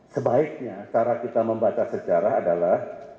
sebaiknya cara kita membaca sejarah adalah